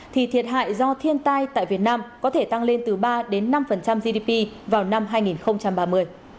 thì thiệt hại do thiên tai tại việt nam có thể tăng lên từ ba năm gdp vào năm hai nghìn ba mươi